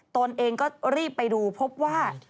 ตนเองก็รีบไปดูพบว่า